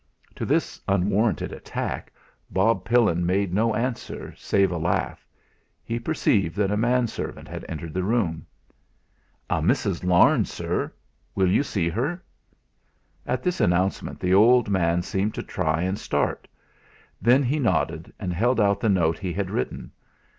To this unwarranted attack Bob Pillin made no answer save a laugh; he perceived that a manservant had entered the room. "A Mrs. Larne, sir. Will you see her?" At this announcement the old man seemed to try and start; then he nodded, and held out the note he had written.